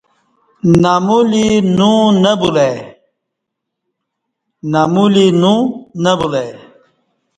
نونمولی نہ بُلہ ای